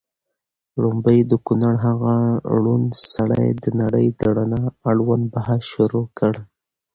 ړومبی د کونړ هغه ړوند سړي د نړۍ د رڼا اړوند بحث شروع کړ